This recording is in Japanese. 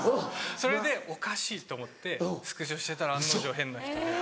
それでおかしいと思ってスクショしてたら案の定変な人で。